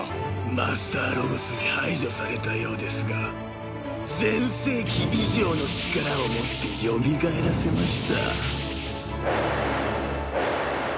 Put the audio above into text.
マスターロゴスに排除されたようですが全盛期以上の力を持ってよみがえらせました。